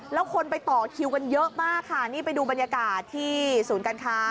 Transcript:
แล้วคนไปต่อคิวกันเยอะมากค่ะนี่ไปดูบรรยากาศที่ศูนย์การค้า